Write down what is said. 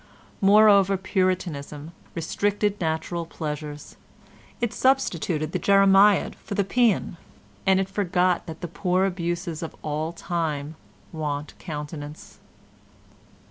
Moreover, Puritanism restricted natural pleasures; it substituted the Jeremiad for the Pæan, and it forgot that the poor abuses of all times want countenance.